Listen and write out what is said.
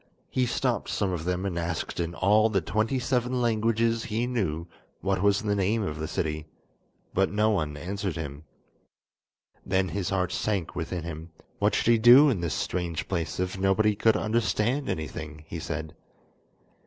He stopped some of them and asked in all the twenty seven languages he knew what was the name of the city, but no one answered him. Then his heart sank within him; what should he do in this strange place if nobody could understand anything? he said.